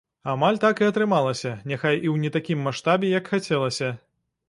Амаль так і атрымалася, няхай і ў не такім маштабе, як хацелася.